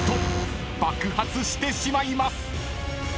［爆発してしまいます］